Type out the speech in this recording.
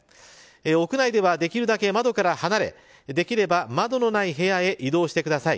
屋内ではできるだけ窓から離れできれば窓のない部屋へ移動してください。